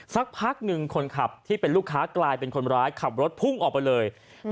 สักพักหนึ่งคนขับที่เป็นลูกค้ากลายเป็นคนร้ายขับรถพุ่งออกไปเลย